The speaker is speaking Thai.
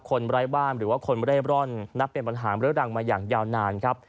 ไร้บ้านหรือว่าคนเร่ร่อนนับเป็นปัญหาเรื้อรังมาอย่างยาวนานครับ